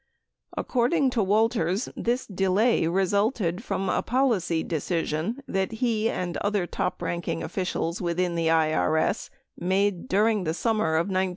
According to Walters, this delay resulted from a policy decision that he and other top ranking officials within the IRS made during the summer of 1972.